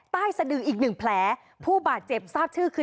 ใต้สะดืออีกหนึ่งแผลผู้บาดเจ็บทราบชื่อคือ